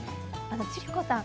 千里子さん